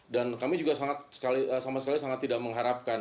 dan kami juga sama sekali sangat tidak mengharapkan